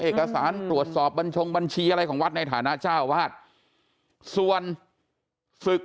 เอกสารตรวจสอบบัญชงบัญชีอะไรของวัดในฐานะเจ้าวาดส่วนศึก